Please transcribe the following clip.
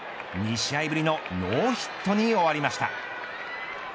２試合ぶりのノーヒットに終わりました。